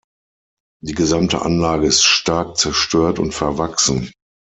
Die gesamte Anlage ist stark zerstört und verwachsen.